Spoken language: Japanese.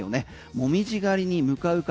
紅葉狩りに向かう方